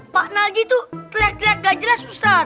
pak narji tuh kelihatan gak jelas ustad